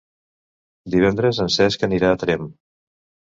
Divendres en Cesc anirà a Tremp.